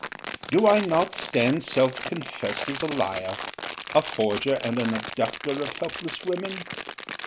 "Do I not stand self confessed as a liar, a forger and abductor of helpless women?